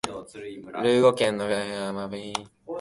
ルーゴ県の県都はルーゴである